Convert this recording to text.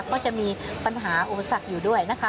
ก็จะมีปัญหาอุปสรรคอยู่ด้วยนะคะ